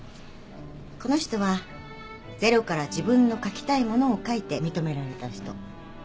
この人はゼロから自分の書きたいものを書いて認められた人。